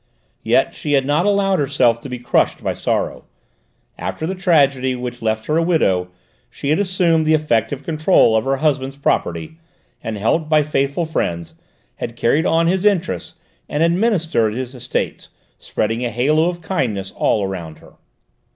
Yet she had not allowed herself to be crushed by sorrow; after the tragedy which left her a widow, she had assumed the effective control of her husband's property, and, helped by faithful friends, had carried on his interests and administered his estates, spreading a halo of kindness all around her.